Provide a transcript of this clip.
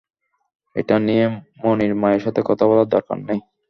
এটা নিয়ে মনির মায়ের সাথে কথা বলার দরকার নেই।